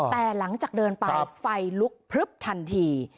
แต่หลังจากเดินไปไฟลุกพลึบทันที